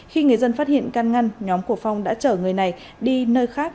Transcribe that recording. khi người dân phát hiện căn ngăn nhóm của phong đã trở người này đi nơi khác